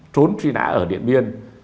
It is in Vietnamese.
trốn truy nã ở điện biên